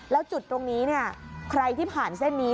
แล้วจุดตรงนี้เนี่ยใครที่ผ่านเส้นนี้